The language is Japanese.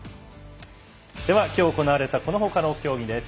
ではきょう行われたこのほかの競技です。